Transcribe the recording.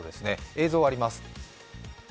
映像があります。